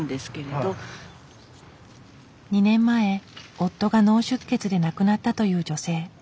２年前夫が脳出血で亡くなったという女性。